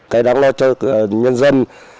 cái đáng lo cho nhân dân